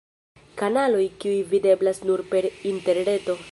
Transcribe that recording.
Kanaloj kiuj videblas nur per Interreto.